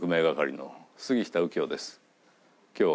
今日は。